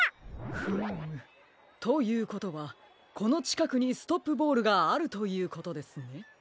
フーム。ということはこのちかくにストップボールがあるということですね。